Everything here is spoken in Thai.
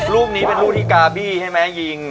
รูปนี้เป็นรูปที่กาบี้ใช่ไหมยิง